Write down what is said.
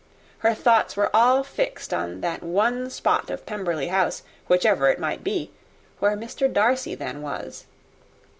Her thoughts were all fixed on that one spot of Pemberley House, whichever it might be, where Mr. Darcy then was.